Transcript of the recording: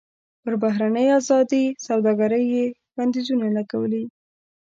پر بهرنۍ ازادې سوداګرۍ یې بندیزونه لګولي.